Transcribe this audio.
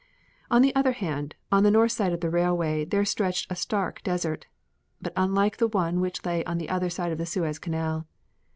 On the other hand, on the north side of the railway there stretched a stark desert, but unlike the one which lay on the other side of the Suez Canal.